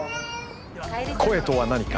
声とは何か？